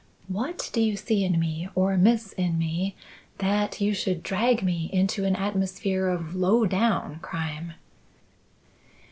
What do you see in me, or miss in me, that you should drag me into an atmosphere of low down crime?"